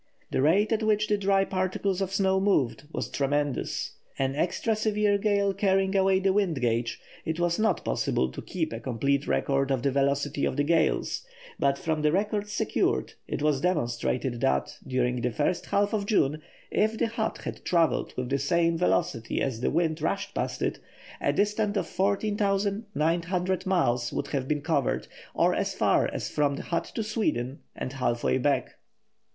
The rate at which the dry particles of snow moved was tremendous. An extra severe gale carrying away the wind gauge, it was not possible to keep a complete record of the velocity of the gales, but from the records secured, it was demonstrated that, during the first half of June, if the hut had travelled with the same velocity as the wind rushed past it, a distance of 14,900 miles would have been covered, or as far as from the hut to Sweden and half way back.